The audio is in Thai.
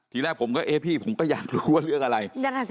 ทีแรกผมก็เอ๊ะพี่ผมก็อยากรู้ว่าเรื่องอะไร